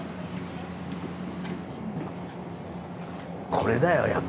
これだよやっぱりな！